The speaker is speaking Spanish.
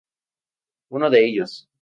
Uno de ellos